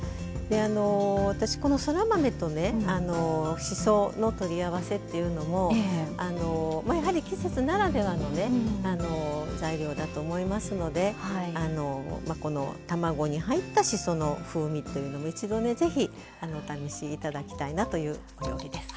私、この、そら豆としその取り合わせというのもやはり、季節ならではの材料だと思いますので卵に入ったしその風味というのも一度ね、ぜひお試しいただきたいなという料理です。